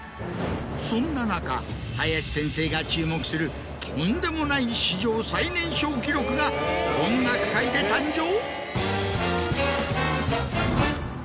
そんな中林先生が注目するとんでもない史上最年少記録が音楽界で誕生。